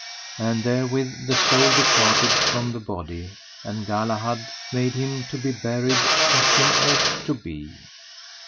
And therewith the soul departed from the body, and Galahad made him to be buried as him ought to be.